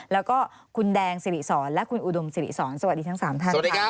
แล้วก็คุณแดงสิริสรและคุณอุดมสิริสอนสวัสดีทั้ง๓ท่านค่ะ